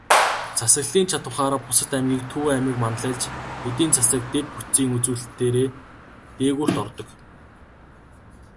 Засаглалын чадавхаараа бусад аймгийг Төв аймаг манлайлж, эдийн засаг, дэд бүтцийн үзүүлэлтээрээ дээгүүрт ордог.